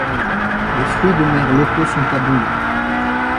Les fruits de mer locaux sont abondants.